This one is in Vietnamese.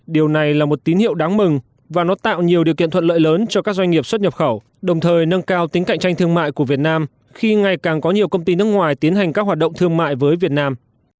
điều này là một tín hiệu đáng mừng và nó tạo nhiều điều kiện thuận lợi lớn cho các doanh nghiệp xuất nhập khẩu đồng thời nâng cao tính cạnh tranh thương mại của việt nam khi ngày càng có nhiều công ty nước ngoài tiến hành các hoạt động thương mại với việt nam